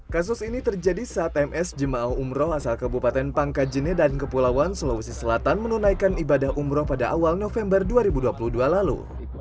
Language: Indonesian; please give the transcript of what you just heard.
kasus ini terjadi saat ms jemaah umroh asal kabupaten pangkajene dan kepulauan sulawesi selatan menunaikan ibadah umroh pada awal november dua ribu dua puluh dua lalu